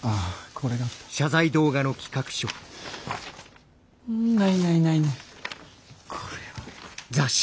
これは。